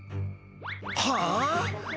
はあ？